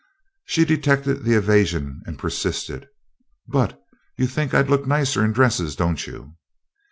She detected the evasion and persisted: "But you think I'd look nicer in dresses, don't you?"